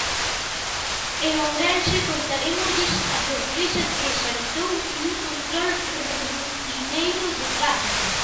En Ourense, contarémoslles a sorpresa que saltou nun control rutineiro de Tráfico.